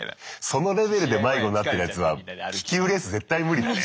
そのレベルで迷子になってるやつは気球レース絶対無理だね。